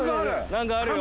何かあるよ